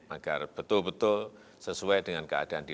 agar betul betul sesuai dengan keadaan di